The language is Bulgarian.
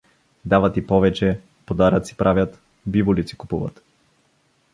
Дават и повече… Подаръци правят, биволици купуват.